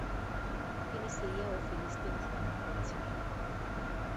তিনি সিরিয়া ও ফিলিস্তিন ভ্রমণ করেছিলেন।